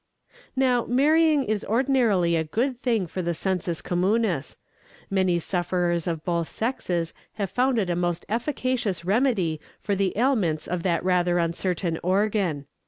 Now, marrying is ordinarily a good thing for the sensus communis. Many sufferers of both sexes have found it a most efficacious remedy for the ailments of that rather uncertain organ.